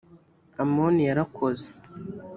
amoni yarakoze.